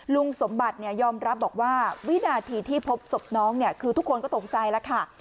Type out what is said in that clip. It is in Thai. ลุงสมบัติยอมรับบอกว่าวินาทีที่พบศพน้องเนี่ยคือทุกคนก็ตกใจแล้วค่ะ